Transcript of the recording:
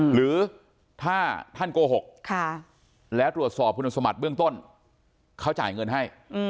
หรือถ้าท่านโกหกแล้วตรวจสอบคุณสมบัติเบื้องต้นเขาจ่ายเงินให้